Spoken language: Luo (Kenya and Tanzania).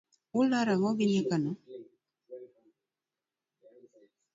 Ularo ang'o gi nyakono?